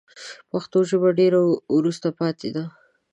پښتو ژبه ډېره وروسته پاته ده